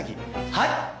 はい。